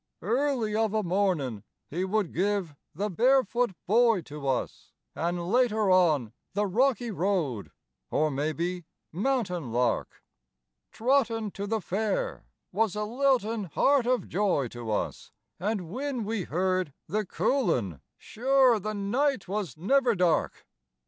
Early of a mornin' would he give "The Barefoot Boy" to us, An' later on "The Rocky Road" or maybe "Mountain Lark," "Trottin' to the Fair" was a liltin' heart of joy to us, An' whin we heard "The Coulin" sure the night was never dark.